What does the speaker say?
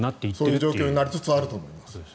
そういう状況になりつつあると思います。